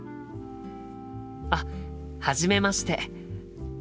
あっはじめまして。